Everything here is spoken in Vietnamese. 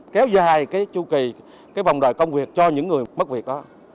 kéo dài cái chu kỳ cái vòng đời công việc cho những người mất việc đó